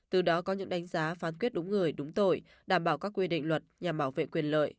từ đó có những đánh giá phán quyết đúng người đúng tội đảm bảo các quy định luật nhằm bảo vệ quyền lợi